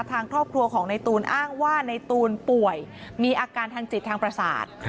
ทางครอบครัวของในตูนอ้างว่าในตูนป่วยมีอาการทางจิตทางประสาท